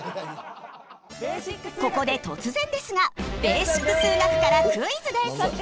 ここで突然ですが「ベーシック数学」からクイズです！